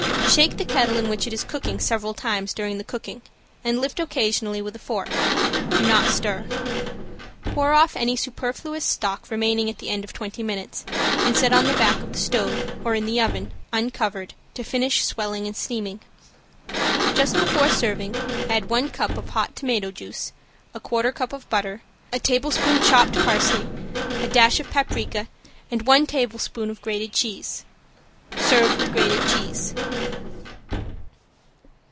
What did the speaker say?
Shake the kettle in which it is cooking several times during the cooking and lift occasionally with a fork. Do not stir. Pour off any superfluous stock remaining at the end of twenty minutes, and set on the back of the stove or in the oven, uncovered, to finish swelling and steaming. Just before serving add one cup of hot tomato juice, a quarter cup of butter, a tablespoon chopped parsley, a dash of paprika, and one tablespoon of grated cheese. Serve with grated cheese.